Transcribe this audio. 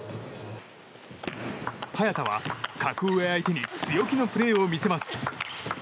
早田は格上相手に強気のプレーを見せます。